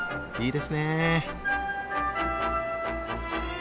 いいですねぇ。